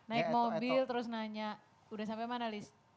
naik mobil terus nanya udah sampai mana list